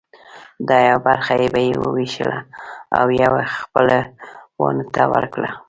دا یوه برخه به یې وویشله او یوه خپلوانو ته ورکړه.